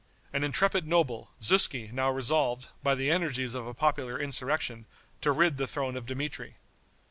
An intrepid noble, Zuski, now resolved, by the energies of a popular insurrection, to rid the throne of Dmitri.